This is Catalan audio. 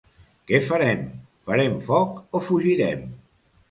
Què farem? —Farem foc o fugirem?